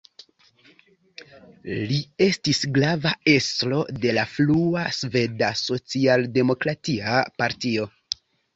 Li estis grava estro de la frua Sveda socialdemokratia partio.